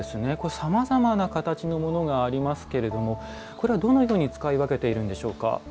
さまざまな形のものがありますけれどもこれはどのように使い分けているんでしょうか。